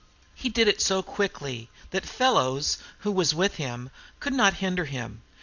He did it so quickly, that Fellows, who was with him, could not hinder him.